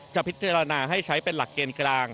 จะพิจารณาให้ใช้เป็นหลักเกณฑ์กลาง